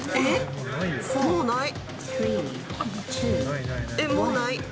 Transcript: もうない。